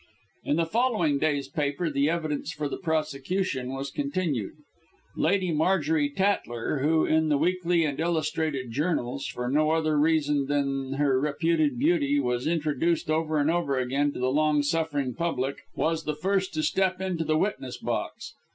In the following day's paper, the evidence for the prosecution was continued. Lady Marjorie Tatler, who, in the weekly and illustrated journals, for no other reason than her reputed beauty, was reintroduced over and over again to the long suffering public, was the first to step into the witness box.